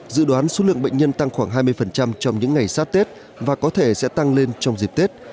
dự đoán số lượng bệnh nhân tăng khoảng hai mươi trong những ngày sát tết và có thể sẽ tăng lên trong dịp tết